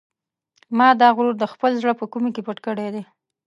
ما دا غرور د خپل زړه په کومې کې پټ کړی دی.